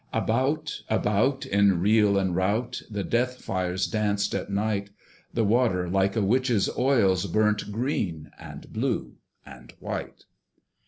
About, about, in reel and rout The death fires danced at night; The water, like a witch's oils, Burnt green, and blue and white.